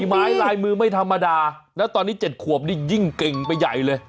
ไม้ลายมือไม่ธรรมดาแล้วตอนนี้๗ขวบนี่ยิ่งเก่งไปใหญ่เลย